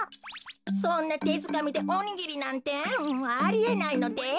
そんなてづかみでおにぎりなんてありえないのです。